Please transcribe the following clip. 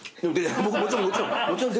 僕もちろんもちろん！